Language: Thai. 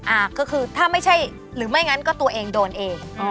อ่าก็คือถ้าไม่ใช่หรือไม่งั้นก็ตัวเองโดนเอง